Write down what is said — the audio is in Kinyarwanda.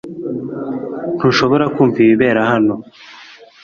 Ntushobora kumva ibibera hano?